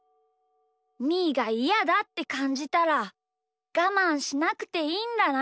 みーがイヤだってかんじたらがまんしなくていいんだな。